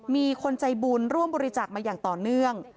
มีคนใจบุญร่วมบริจาคมาอย่างต่อเนื่อง